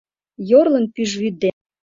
Йорлын пӱжвӱд ден